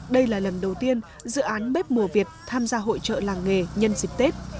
đây là lần đầu tiên dự án bếp mùa việt tham gia hội trợ làng nghề nhân dịp tết